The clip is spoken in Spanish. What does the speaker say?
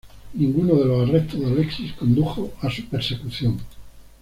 Ninguno de los arrestos de Alexis condujo a su persecución.